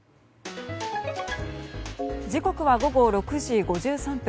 時刻は午後６時５３分。